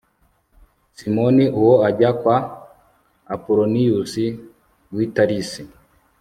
simoni uwo ajya kwa apoloniyusi w'i tarisi